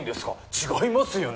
違いますよね